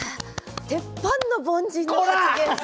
鉄板の凡人の発言です。